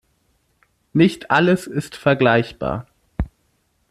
Nicht alles ist vergleichbar.